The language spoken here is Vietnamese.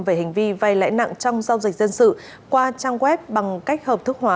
về hành vi vay lãi nặng trong giao dịch dân sự qua trang web bằng cách hợp thức hóa